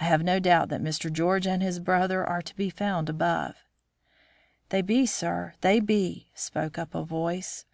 I have no doubt that Mr. George and his brother are to be found above." "They be, sir, they be," spoke up a voice.